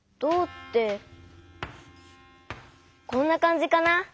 こんなかんじかな。